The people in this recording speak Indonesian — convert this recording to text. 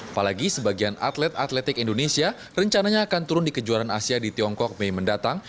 apalagi sebagian atlet atletik indonesia rencananya akan turun di kejuaraan asia di tiongkok mei mendatang